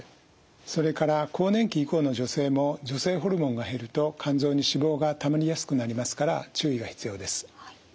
それから更年期以降の女性も女性ホルモンが減ると肝臓に脂肪がたまりやすくなりますから注意が必要です。